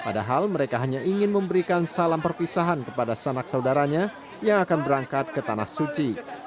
padahal mereka hanya ingin memberikan salam perpisahan kepada sanak saudaranya yang akan berangkat ke tanah suci